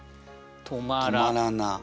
「止まらな」。